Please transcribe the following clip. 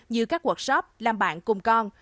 như các workshop làm bạn cùng con